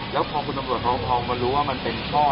แล้วพอคุณตำรวจเขามารู้ว่ามันเป็นข้อแห่ง